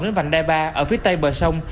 đến vành đai ba ở phía tây bờ sông